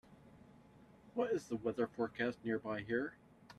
What is the weather forecast nearby here